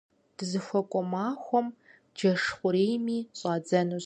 Дызыхуэкӏуэ махуэхэм джэш хъурейми щӏадзэнущ.